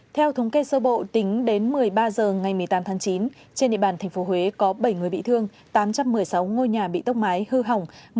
theo thống kê sơ bộ tính đến một mươi ba h ngày một mươi tám tháng chín trên địa bàn tp huế có bảy người bị thương tám trăm một mươi sáu ngôi nhà bị tốc mái hư hỏng